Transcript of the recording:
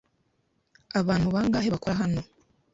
Abantu bangahe bakora hano?